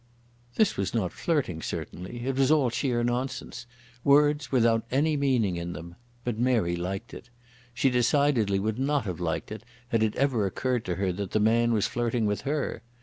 This was not flirting certainly. It was all sheer nonsense, words without any meaning in them. But Mary liked it. She decidedly would not have liked it had it ever occurred to her that the man was flirting with her.